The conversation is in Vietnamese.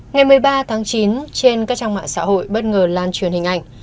ngày một mươi ba tháng chín trên các trang mạng xã hội bất ngờ lan truyền hình ảnh